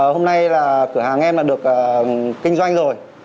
hôm nay là cửa hàng em được kinh doanh rồi